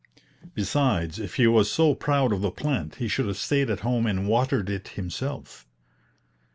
Besides, if he was so proud of the plant he should have stayed at home and watered it himself.